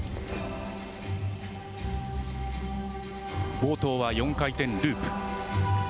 冒頭は４回転ループ。